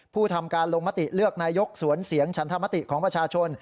ผู้ทำการลงมติเลือกนายกสวนเสียงฉันธรรมติของประชาชน